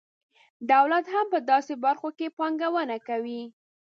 دولت هم په داسې برخو کې پانګونه کوي.